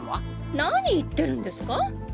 何言ってるんですか！